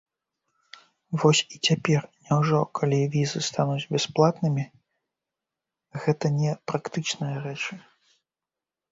Вось і цяпер, няўжо, калі візы стануць бясплатнымі, гэта не практычныя рэчы?